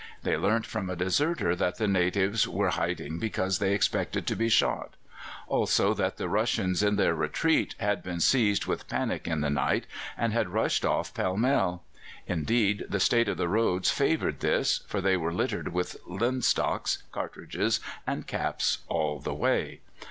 They learnt from a deserter that the natives were hiding because they expected to be shot; also, that the Russians in their retreat had been seized with panic in the night, and had rushed off pell mell; indeed, the state of the roads favoured this, for they were littered with linstocks, cartridges, and caps all the way.